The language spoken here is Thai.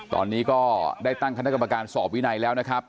ตอนนี้ก็ได้ตั้งคณะกรรมการสอบวินัยแล้วนะครับ